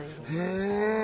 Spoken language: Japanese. へえ。